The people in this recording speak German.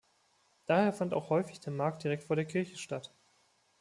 Daher fand auch häufig der Markt direkt vor der Kirche statt.